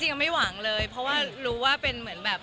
ยังไม่หวังเลยเพราะว่ารู้ว่าเป็นเหมือนแบบ